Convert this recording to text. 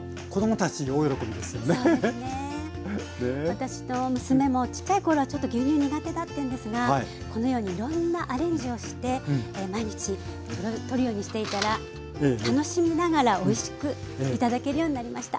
私の娘もちっちゃい頃はちょっと牛乳苦手だったんですがこのようにいろんなアレンジをして毎日取るようにしていたら楽しみながらおいしく頂けるようになりました。